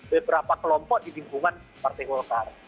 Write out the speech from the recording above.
beberapa kelompok di lingkungan partai golkar